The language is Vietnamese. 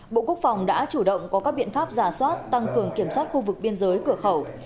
bộ quốc phòng đã chủ động có các biện pháp giả soát tăng cường kiểm soát khu vực biên giới cửa khẩu